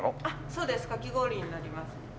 そうですかき氷になりますね。